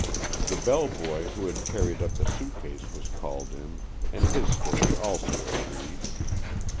The bellboy who had carried up the suitcase was called in, and his story also agreed.